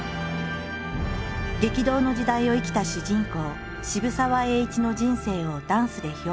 激動の時代を生きた主人公渋沢栄一の人生をダンスで表現。